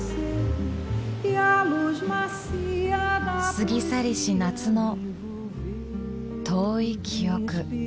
過ぎ去りし夏の遠い記憶。